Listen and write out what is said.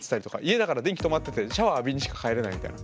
家だから電気止まっててシャワー浴びにしか帰れないみたいな。